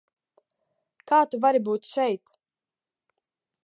Kā tu vari būt šeit?